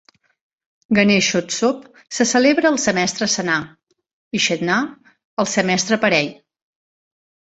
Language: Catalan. "Ganeshotsav" se celebra al semestre senar i "Chetna" al semestre parell.